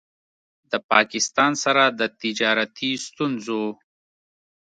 د پاکستان سره د تجارتي ستونځو